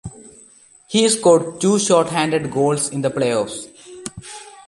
He scored two short-handed goals in the playoffs.